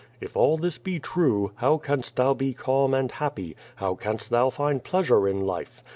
If all this be true, how canst thou be calm and happy, how canst thou find pleasure in life?